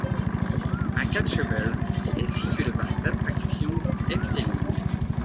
À Kaatsheuvel est situé le parc d'attractions Efteling.